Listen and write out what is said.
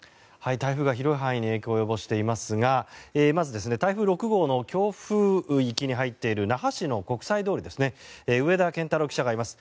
台風が広い範囲に影響を及ぼしていますがまず台風６号の強風域に入っている那覇市の国際通りに上田健太郎記者がいます。